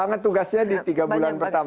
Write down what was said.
pervadivushka tersebut sudah dilakukan